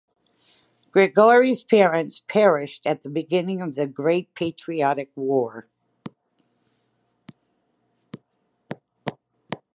Grigori’s parents perished at the beginning of the Great Patriotic War.